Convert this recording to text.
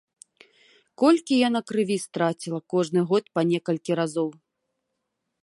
Колькі яна крыві страціла кожны год па некалькі разоў.